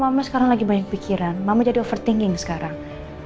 mama sekarang lagi banyak pikiran mama jadi overthinking sekarang